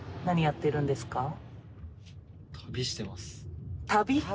何やってるんですか？